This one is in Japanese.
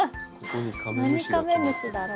何カメムシだろう？